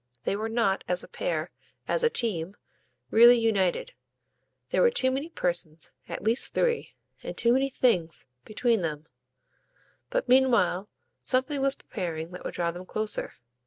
They were not, as a pair, as a "team," really united; there were too many persons, at least three, and too many things, between them; but meanwhile something was preparing that would draw them closer.